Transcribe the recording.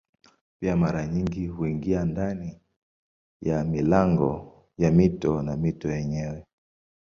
Pia mara nyingi huingia ndani ya milango ya mito na mito yenyewe.